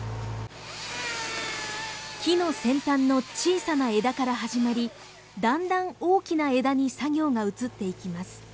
木の先端の小さな枝から始まりだんだん大きな枝に作業が移っていきます。